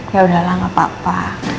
ya udahlah nggak apa apa